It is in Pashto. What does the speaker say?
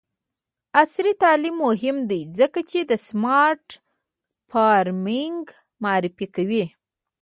عصري تعلیم مهم دی ځکه چې د سمارټ فارمینګ معرفي کوي.